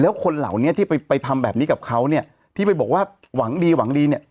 แล้วคนเหล่านี้ที่ไปไปทำแบบนี้กับเขาเนี่ยที่ไปบอกว่าหวังดีหวังดีเนี่ย